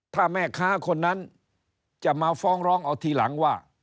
ถ้าแม่ค้าคนนั้นจะมาฟ้องร้องเอาทีหลังว่า